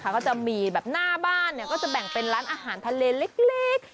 เขาจะมีแบบหน้าบ้านก็จะแบ่งเป็นร้านอาหารทะเลเล็ก